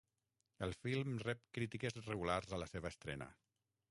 El film rep crítiques regulars a la seva estrena.